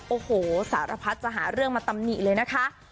โอ้โหสารพัดจะหาเรื่องมาตำหนิเลยนะคะ